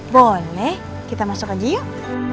boleh kita masuk aja yuk